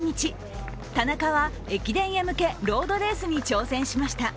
今月１２日、田中は駅伝へ向けロードレースに挑戦しました。